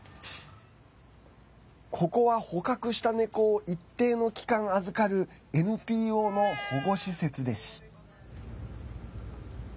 ここは、捕獲した猫を一定の期間預かるＮＰＯの保護施設です。